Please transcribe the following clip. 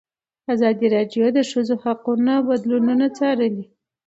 ازادي راډیو د د ښځو حقونه بدلونونه څارلي.